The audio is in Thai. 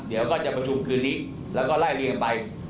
เดี๋ยวก็จะประชุมคืนนี้แล้วก็ไล่เรียงไป